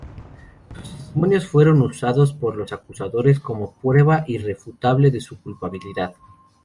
Sus testimonios fueron usados por los acusadores como prueba irrefutable de su culpabilidad.